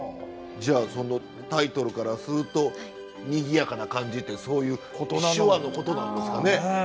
じゃあそのタイトルからするとにぎやかな感じってそういう手話のことなんですかね。